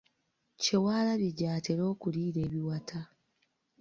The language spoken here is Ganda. Kyewaalabye gy’atera okuliira ebiwata.